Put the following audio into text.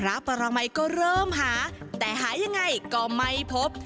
พระปรมัยก็เริ่มหาแต่หายังไงก็ไม่พบ